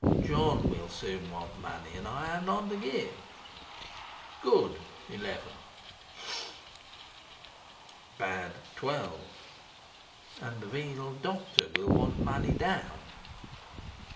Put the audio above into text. John will soon want money, and I have none to give. 11. 12. And the venal doctor will want money down.